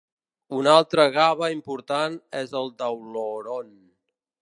Un altre gave important és el d'Auloron.